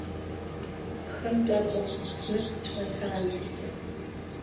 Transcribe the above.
Хынтә акәым, знык ҿнаҭаанӡагьы.